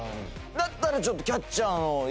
だったらちょっと。